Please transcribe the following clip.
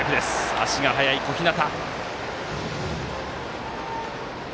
足が速い小日向。